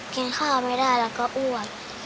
กินข้าวไม่ได้แล้วก็อ้วก